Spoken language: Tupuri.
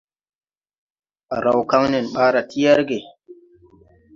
Á raw kaŋ nen ɓaara ti yɛrge.